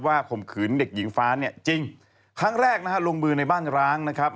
ข่มขืนเด็กหญิงฟ้าเนี่ยจริงครั้งแรกนะฮะลงมือในบ้านร้างนะครับ